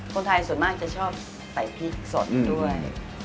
คนไทยส่วนมากจะชอบใส่พริกสดด้วย